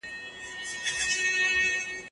د فیل پښې په ځمکه کې ولیدل سوي.